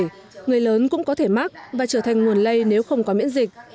nếu có mắc sởi người lớn cũng có thể mắc và trở thành nguồn lây nếu không có miễn dịch